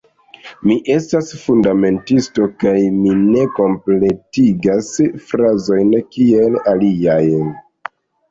Mi estas fundamentisto kaj mi ne kompletigas frazojn kiel aliaj...